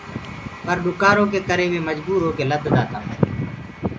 پر ڏُڪآرو ڪي ڪري وي مجبوٚر هوڪي لدتآ تا۔